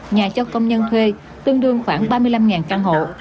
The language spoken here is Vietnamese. nhà cho công nhân thuê tương đương khoảng ba mươi năm căn hộ